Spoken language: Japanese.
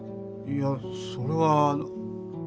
いやそれは。